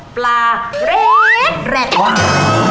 ปลาแร็กแร็กจี๊ด